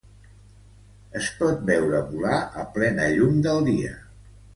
Es pot veure volar a plena llum del dia.